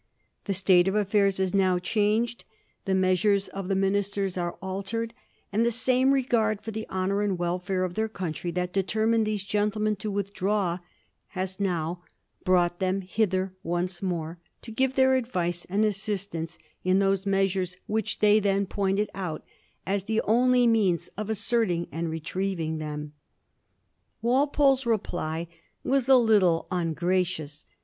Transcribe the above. " The 1789 1740. DEATH OF WYNDHAM. 179 state of affairs is now changed ; the measures of the min isters are altered ; and the same regard for the honor amd welfare of their country that determined these gentlemen to withdraw has now brought them hither once more, to give their advice and assistance in those measures which they then pointed out as the only means of asserting and retrieving them." Walpole's reply was a little ungra cious.